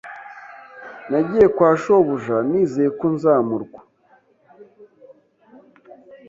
Nagiye kwa shobuja nizeye ko nzamurwa.